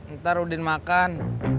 ntar udin makan